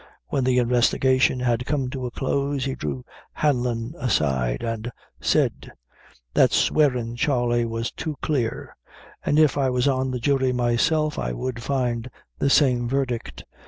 When the investigation had come to a close, he drew Hanlon aside and said "That swearin', Charley, was too clear, and if I was on the jury myself I would find the same verdict.